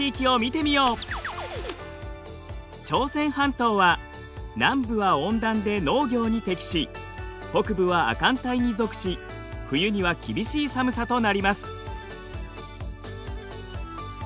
朝鮮半島は南部は温暖で農業に適し北部は亜寒帯に属し冬には厳しい寒さとなります。